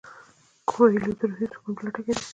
کویلیو د روحي سکون په لټه کې دی.